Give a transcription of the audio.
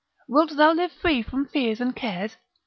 Wilt thou live free from fears and cares?